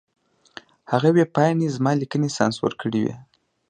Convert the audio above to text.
هغې ویبپاڼې زما لیکنې سانسور کړې وې.